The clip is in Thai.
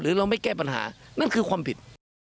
เราไม่แก้ปัญหานั่นคือความผิด